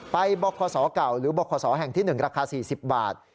บคศเก่าหรือบคศแห่งที่๑ราคา๔๐บาท